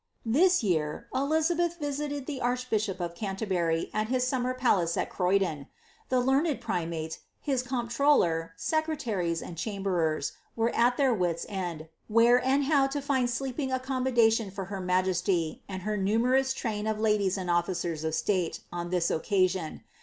Tliis year. Elizabeth visiied the ftrcbbishop of Ciinterhury al hi^ sum mer palace at Croydon. The learned primate, his comptroller, secrt laries, and chamberers, were at their wits^ ends, where and how to fin sleeping accommodation for her majesty, and her numerous train « ladies and officers of stale, on ihis occasion.